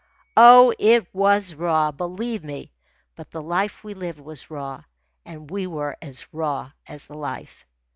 Oh, it was raw, believe me; but the life we lived was raw, and we were as raw as the life.